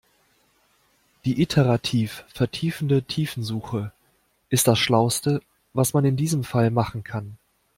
Die iterativ vertiefende Tiefensuche ist das schlauste, was man in diesem Fall machen kann.